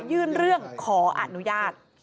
ยื่นเรื่องขออนุญาต